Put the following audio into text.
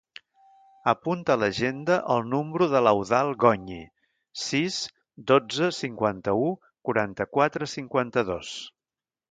Apunta a l'agenda el número de l'Eudald Goñi: sis, dotze, cinquanta-u, quaranta-quatre, cinquanta-dos.